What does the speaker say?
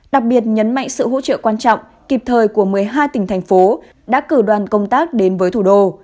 đặc biệt nhấn mạnh sự hỗ trợ quan trọng kịp thời của một mươi hai tỉnh thành phố đã cử đoàn công tác đến với thủ đô